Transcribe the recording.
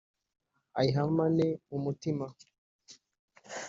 ayihamane mu mutima